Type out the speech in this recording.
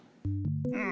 うん。